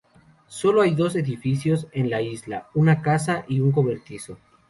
Sólo hay dos edificios en la isla; Una casa y un cobertizo.